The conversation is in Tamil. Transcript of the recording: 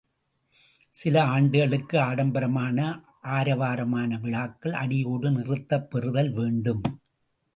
சில ஆண்டுகளுக்கு ஆடம்பரமான ஆரவாரமான விழாக்கள் அடியோடு நிறுத்தப் பெறுதல் வேண்டும்.